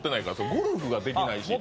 ゴルフはできないし。